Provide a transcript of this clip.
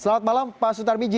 selamat malam pak sutar miji